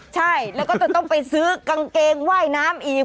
ใช่แล้วก็จะต้องไปซื้อกางเกงว่ายน้ำอีก